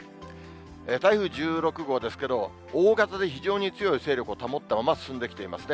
台風１６号ですけども、大型で非常に強い勢力を保ったまま進んできていますね。